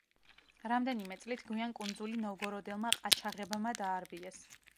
რამდენიმე წლით გვიან კუნძული ნოვგოროდელმა ყაჩაღებმა დაარბიეს.